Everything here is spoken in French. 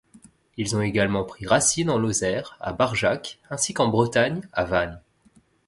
Ils ont également pris racines en Lozère, à Barjac, ainsi qu'en Bretagne, à Vannes.